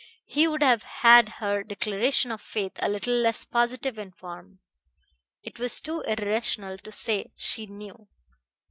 He would have had her declaration of faith a little less positive in form. It was too irrational to say she "knew."